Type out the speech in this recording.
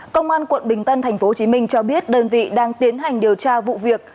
công an quận bình tân tp hcm cho biết đơn vị đang tiến hành điều tra vụ việc